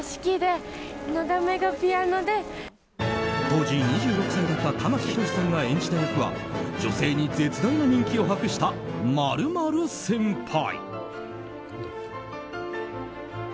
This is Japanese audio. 当時２６歳だった玉木宏さんが演じた役は女性に絶大な人気を博した○○先輩。